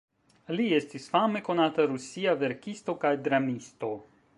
Li estis fame konata rusia verkisto kaj dramisto.